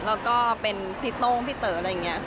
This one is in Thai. แล้วก็เป็นพี่โต้งพี่เต๋ออะไรอย่างนี้